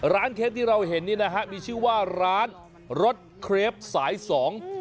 เคปที่เราเห็นนี่นะฮะมีชื่อว่าร้านรถเครปสายสอง